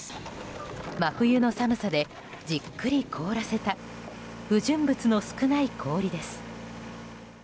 真冬の寒さでじっくり凍らせた不純物の少ない氷です。